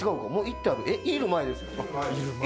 いる前ですよね？